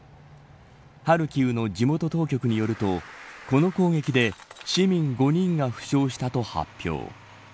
ハルキウの地元当局によるとこの攻撃で市民５人が負傷したと発表。